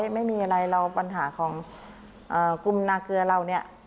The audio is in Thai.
ไม่มีอะไรเราปัญหาของกลุ่มนาเกลือเราเนี่ย